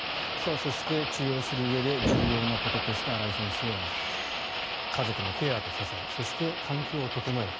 そして治療するうえで重要なこととして新井先生、家族のケアと支えそして、環境を整える。